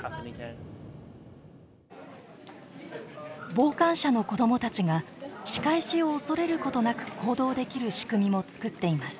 傍観者の子どもたちが仕返しを恐れることなく行動できる仕組みも作っています。